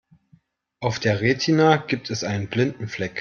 Auf der Retina gibt es einen blinden Fleck.